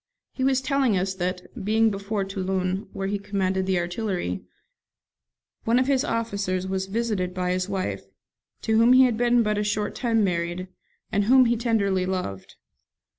He was telling us that, being before Toulon, where he commanded the artillery, one of his officers was visited by his wife, to whom he had been but a short time married, and whom he tenderly loved.